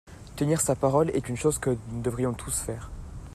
Tenir sa parole est une chose que nous devrions tous faire.